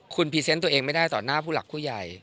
คุณพรีเซนต์ตัวเองไม่ได้ต่อหน้าผู้หลักผู้ใหญ่